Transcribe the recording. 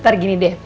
ntar gini deh